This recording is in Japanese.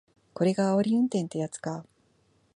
これがあおり運転ってやつか